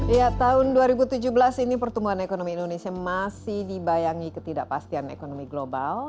ya tahun dua ribu tujuh belas ini pertumbuhan ekonomi indonesia masih dibayangi ketidakpastian ekonomi global